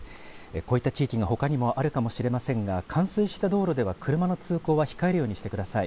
こういった地域がほかにもあるかもしれませんが冠水した道路では車の通行は控えるようにしてください。